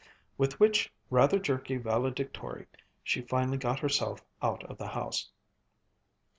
With which rather jerky valedictory she finally got herself out of the house.